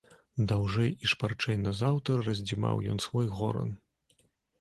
Даўжэй і шпарчэй назаўтра раздзімаў ён свой горан.